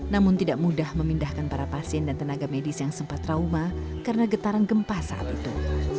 namun tidak mudah memindahkan para pasien dan tenaga medis yang sempat trauma karena getaran gempa saat itu